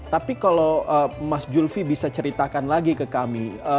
tapi kalau mas zulfi bisa ceritakan lagi ke kami